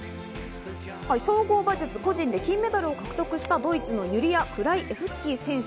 総合馬術個人で金メダルを獲得したドイツのユリア・クライエフスキー選手。